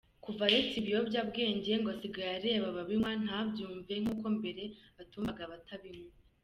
kuva aretse ibiyobyabwenge ngo asigaye areba ababinywa ntabumve, nk’uko mbere atumvaga abatabinywa.